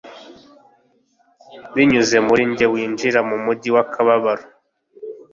Binyuze muri njye winjira mu mujyi w'akababaro